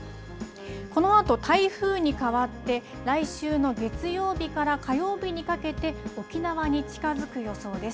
このあと、台風にかわって来週の月曜日から火曜日にかけて沖縄に近づく予想です。